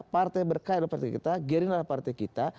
partai berkaya adalah partai kita gerindra adalah partai kita